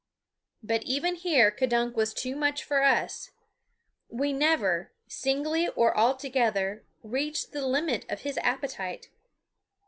But even here K'dunk was too much for us; we never, singly or all together, reached the limit of his appetite.